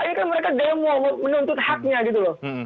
ini kan mereka demo menuntut haknya gitu loh